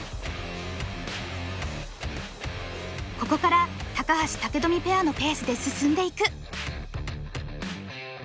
ここから高橋武富ペアのペースで進んでいく。